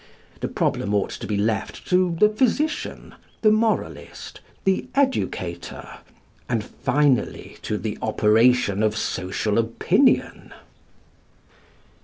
The problem ought to be left to the physician, the moralist, the educator, and finally to the operation of social opinion.